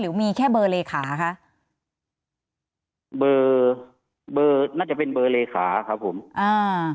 มีแค่เบอร์เลขาคะเบอร์เบอร์น่าจะเป็นเบอร์เลขาครับผมอ่า